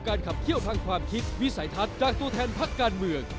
ขับเขี้ยวทางความคิดวิสัยทัศน์จากตัวแทนพักการเมือง